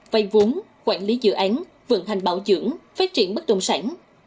vay vốn quản lý dự án vận hành bảo dưỡng phát triển bất đồng sản